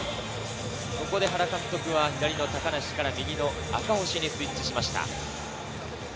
ここで原監督は左の高梨から右の赤星にスイッチしました。